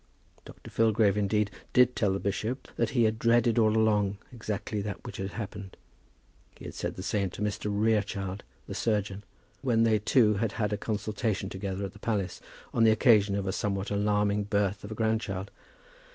Dr. Filgrave, indeed, did tell the bishop that he had dreaded all along exactly that which had happened. He had said the same to Mr. Rerechild, the surgeon, when they two had had a consultation together at the palace on the occasion of a somewhat alarming birth of a grandchild.